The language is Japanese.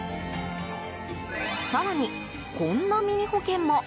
更に、こんなミニ保険も。